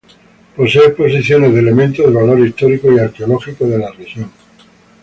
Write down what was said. Posee exposiciones de elementos de valor histórico y arqueológico de la región.